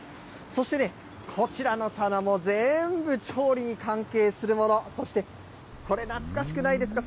そしてね、こちらの棚も全部調理に関係するもの、そして、これ、懐かしくないですか？